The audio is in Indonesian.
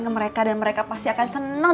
ke mereka dan mereka pasti akan senang